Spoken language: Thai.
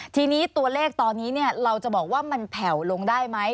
ทีนี้ตัวเลขตอนนี้เราจะบอกว่ามันแผ่วลงได้ไหม